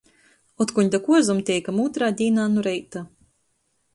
Otkon da kuozom teikam ūtrā dīnā nu reita.